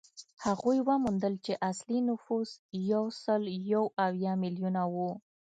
هغوی وموندل چې اصلي نفوس یو سل یو اویا میلیونه و